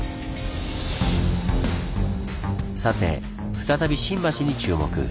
さて再び新橋に注目。